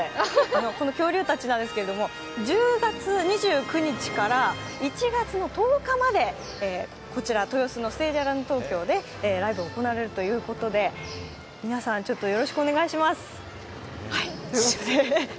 この恐竜たちなんですけれども、１０月２９日から１月１０日まで豊洲のステージアラウンド東京で御覧いただけるということで皆さん、よろしくお願いします。